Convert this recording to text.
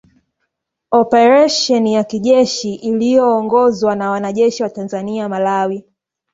operesheni ya kijeshi ililiyoongozwa na wanajeshi wa Tanzania, Malawi